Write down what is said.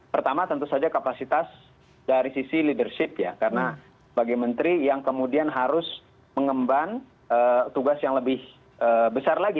pertama tentu saja kapasitas dari sisi leadership ya karena bagi menteri yang kemudian harus mengemban tugas yang lebih besar lagi